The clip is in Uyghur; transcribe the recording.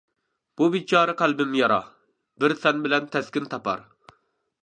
بۇ بىچارە قەلبىم يارا، بىر سەن بىلەن تەسكىن تاپار.